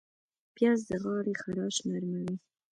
پیاز د غاړې خراش نرموي